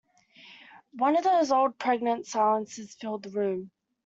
One of those old pregnant silences filled the room.